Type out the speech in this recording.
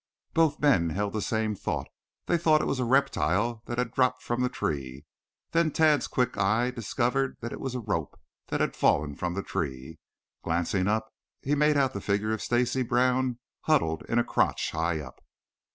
Both men held the same thought. They thought it was a reptile that had dropped from the tree. Then Tad's quick eye discovered that it was a rope that had fallen from the tree. Glancing up, he made out the figure of Stacy Brown huddled in a crotch high up.